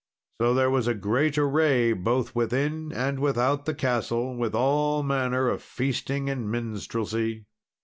So there was a great array both within and without the castle, with all manner of feasting and minstrelsy.